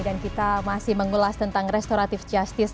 dan kita masih mengulas tentang restoratif justis